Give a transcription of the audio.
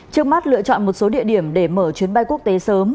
trước mắt lựa chọn một số địa điểm để mở chuyến bay quốc tế sớm